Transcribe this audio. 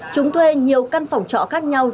chúng thuê nhiều căn phòng trọ khác nhau